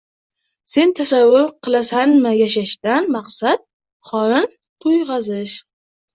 Sen tasavvur qilasanmi: yashashdan maqsad — qorin to‘yg‘azish